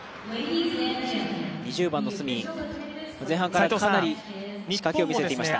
２０番の角、前半からかなり仕掛けを見せていました。